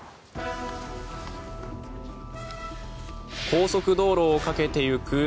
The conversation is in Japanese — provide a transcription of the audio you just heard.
高速道路を駆けてゆく